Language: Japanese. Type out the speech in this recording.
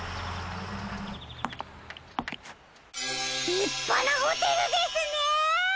りっぱなホテルですね！